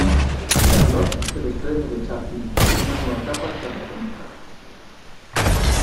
Charlot se desprende de Chaplin y una nueva etapa está por comenzar.